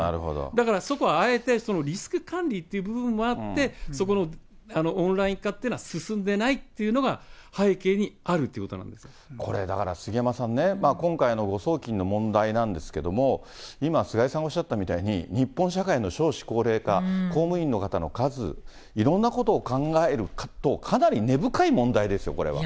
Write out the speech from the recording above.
だからそこはあえて、そのリスク管理という部分もあって、そこのオンライン化というのは進んでないっていうのが、これ、だから杉山さんね、今回の誤送金の問題なんですけれども、今、菅井さんおっしゃったように、日本社会の少子高齢化、公務員の方の数、いろんなことを考えると、かなり根深い問題ですよ、これは。